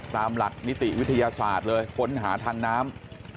ตามหลักนิติวิทยาศาสตร์เลยค้นหาทางน้ำ